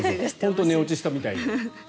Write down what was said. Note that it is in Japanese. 本当に寝落ちしたみたい。